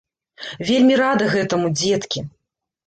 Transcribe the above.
Вельмі рада гэтаму, дзеткі.